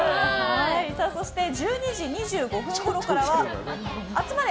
そして１２時２５分ごろからはあつまれ！